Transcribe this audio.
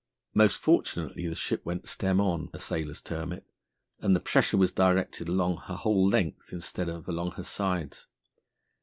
Most fortunately the ship went stem on, as sailors term it, and the pressure was directed along her whole length instead of along her sides.